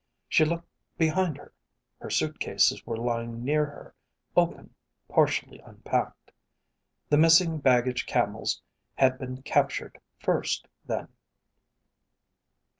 She looked behind her. Her suit cases were lying near her, open, partially unpacked. The missing baggage camels had been captured first, then.